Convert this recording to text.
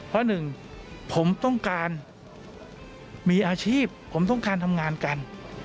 เพราะหนึ่งผมต้องการมีอาชีพผมต้องการทำงานกัน